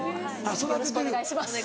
育ててる。